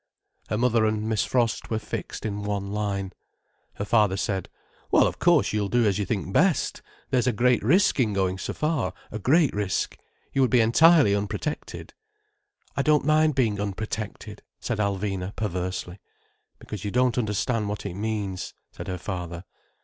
Her mother and Miss Frost were fixed in one line. Her father said: "Well, of course, you'll do as you think best. There's a great risk in going so far—a great risk. You would be entirely unprotected." "I don't mind being unprotected," said Alvina perversely. "Because you don't understand what it means," said her father.